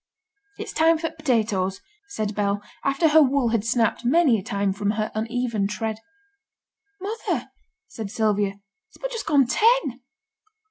'It's time for t' potatoes,' said Bell, after her wool had snapped many a time from her uneven tread. 'Mother,' said Sylvia, 'it's but just gone ten!'